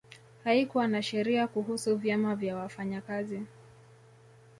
Haikuwa na sheria kuhusu vyama vya wafanyakazi